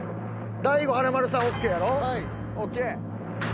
大悟華丸さんＯＫやろ？ＯＫ。